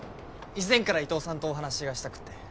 以前から伊藤さんとお話がしたくって。